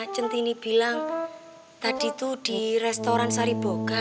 centini bilang tadi tuh di restoran sariboka